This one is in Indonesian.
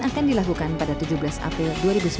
akan dilakukan pada tujuh belas april dua ribu sembilan belas